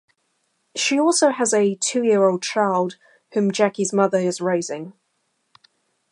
She also has a two-year-old child whom Jackie's mother is raising.